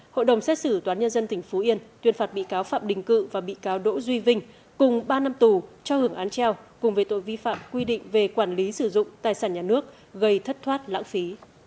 hội đồng xét xử toán nhân dân tỉnh phú yên tuyên phạt bị cáo phạm đình cự và bị cáo đỗ duy vinh cùng ba năm tù cho hưởng án treo cùng với tội vi phạm quy định về quản lý sử dụng tài sản nhà nước gây thất thoát lãng phí